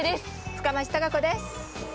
深町貴子です。